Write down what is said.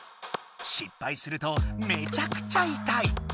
しっぱいするとめちゃくちゃ痛い。